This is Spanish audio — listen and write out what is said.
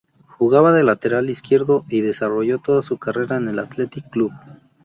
Jugaba de lateral izquierdo y desarrolló toda su carrera en el Athletic Club.